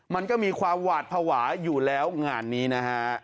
มันก็มีความหวาดภาวะอยู่แล้วงานนี้นะฮะ